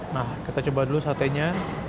nah kita coba dulu satenya